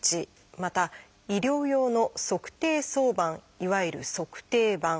また医療用の「足底挿板」いわゆる「足底板」。